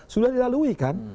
sudah dilalui kan